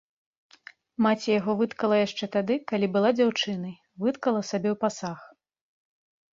Маці яго выткала яшчэ тады, калі была дзяўчынай, выткала сабе ў пасаг.